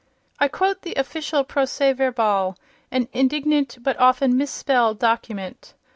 I quote the official procès verbal, an indignant but often misspelled document.